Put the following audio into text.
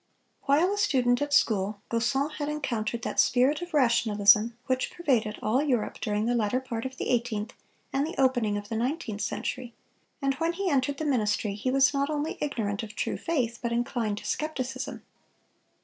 While a student at school, Gaussen had encountered that spirit of rationalism which pervaded all Europe during the latter part of the eighteenth and the opening of the nineteenth century; and when he entered the ministry he was not only ignorant of true faith, but inclined to skepticism.